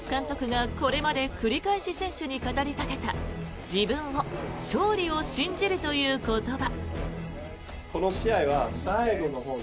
ホーバス監督がこれまで繰り返し選手に語りかけた自分を勝利を信じるという言葉。